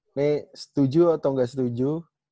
ini setuju atau enggak setuju